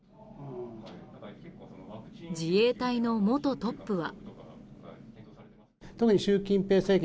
自衛隊の元トップは。